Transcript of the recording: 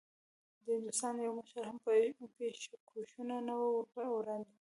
د هندوستان یوه مشر هم پېشکشونه نه وو وړاندي کړي.